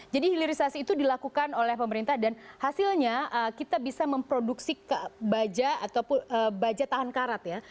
jadi hilirisasi itu dilakukan oleh pemerintah dan hasilnya kita bisa memproduksi baja atau baja tahan karat ya